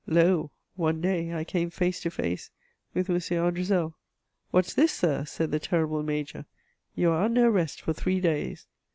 Lol one day, I came face to face with M. Andrezel :What's this. Sir !" said the terrible Major ; ^*you are under arrest for three days."